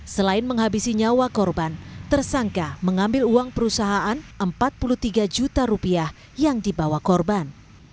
selain menghabisi nyawa korban tersangka mengambil uang perusahaan empat puluh tiga juta rupiah yang dibawa korban